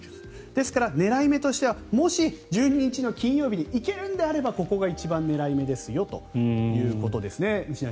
ですから狙い目としてはもし１２日の金曜日に行けるんであればここが一番狙い目ですよということですね。